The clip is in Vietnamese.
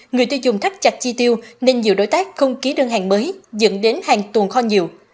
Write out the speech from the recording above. người tiêu dùng thắt chặt chi tiêu nên nhiều đối tác không ký đơn hàng mới dẫn đến hàng tuần kho nhiều